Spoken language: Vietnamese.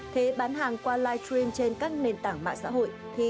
thế bán hàng qua live stream trên các nền tảng mạng xã hội